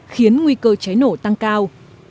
khiến nguy cơ cháy nổ tăng cao